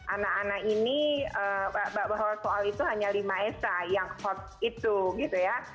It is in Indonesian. anak anak ini bahwa soal itu hanya lima esa yang hot itu gitu ya